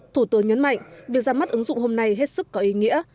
thủ tướng nhấn mạnh việc ra mắt ứng dụng hôm nay hết sức có ý nghĩa